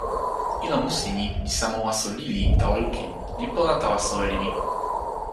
ilo musi ni li sama waso lili tawa lukin li pona tawa soweli mi.